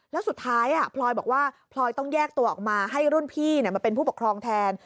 แล้วสุดท้ายพลอยบอกว่าพลอยต้องแยกตัวออกมาให้รุ่นพี่มาเป็นผู้ปกครองแทน